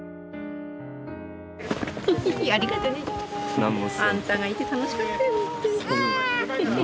何もっすよ。あんたがいて楽しかったよ